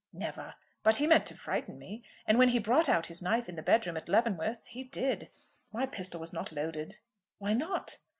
"Never. But he meant to frighten me. And when he brought out his knife in the bedroom at Leavenworth he did. My pistol was not loaded." "Why not?"